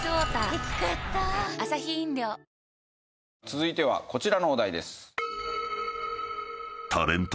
続いてはこちらのお題です。